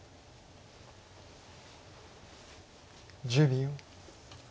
１０秒。